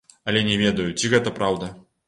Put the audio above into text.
Але не ведаю, ці гэта праўда.